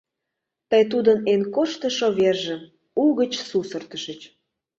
Тый тудын эн корштышо вержым угыч сусыртышыч.